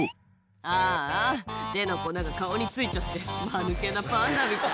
あーあ、手の粉が顔についちゃって、まぬけなパンダみたい。